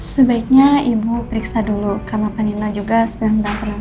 sebaiknya ibu periksa dulu karena panino juga sedang dalam perawatan